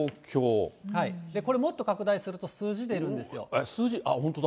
これ、もっと拡大すると、数字出るんですよ。